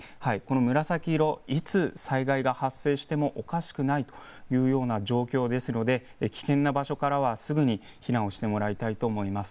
紫色、いつ災害が発生してもおかしくないというような状況ですので危険な場所からはすぐに避難をしてもらいたいと思います。